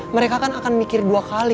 mereka kan akan mikir dua kali